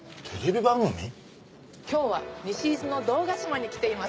「今日は西伊豆の堂ヶ島に来ています」